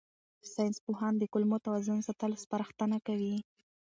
ساینسپوهان د کولمو توازن ساتلو سپارښتنه کوي.